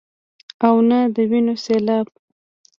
او نۀ د وينو سيلاب ،